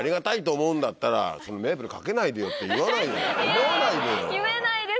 思わないでよ。